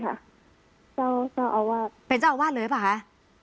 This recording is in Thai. เจ้าเจ้าอาวาสเป็นเจ้าอาวาสเลยป่ะคะค่ะค่ะ